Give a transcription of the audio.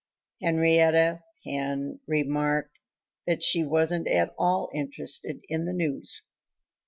Henrietta Hen remarked that she wasn't at all interested in the news.